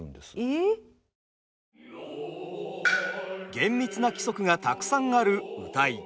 厳密な規則がたくさんある謡。